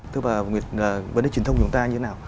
tức là vấn đề truyền thông của chúng ta như thế nào